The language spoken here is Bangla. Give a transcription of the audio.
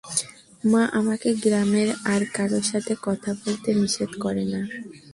মা আমাকে গ্রামের আর কারো সাথে কথা বলতে নিষেধ করে না।